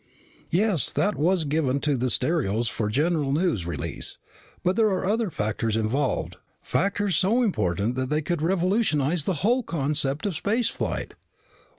"Yes, that was given to the stereos for general news release, but there are other factors involved, factors so important that they could revolutionize the whole concept of space flight."